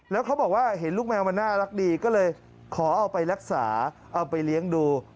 แล้วเขาบอกว่าเห็นลูกแมวมันน่ารักดีก็เลยขอเอาไปรักษาเอาไปเลี้ยงดู